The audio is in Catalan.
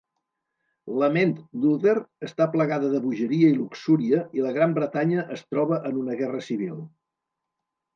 La ment d'Uther està plagada de bogeria i luxúria i la Gran Bretanya es troba en una guerra civil.